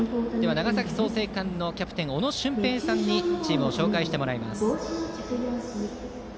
長崎・創成館のキャプテン小野隼平さんにチームを紹介してもらいます。